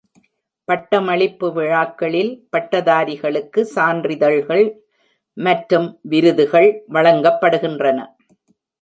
பட்டமளிப்பு விழாக்களில் பட்டதாரிகளுக்கு சான்றிதழ்கள் மற்றும் விருதுகள் வழங்கப்படுகின்றன.